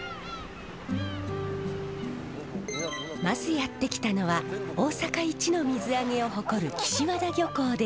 まずやって来たのは大阪一の水揚げを誇る岸和田漁港です。